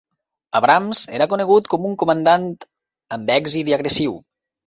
Abrams era conegut com un comandant amb èxit i agressiu.